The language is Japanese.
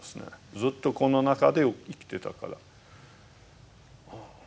ずっとこの中で生きてたから。